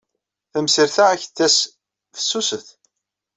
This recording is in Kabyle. Tamsirt-a ad ak-d-tas fessuset.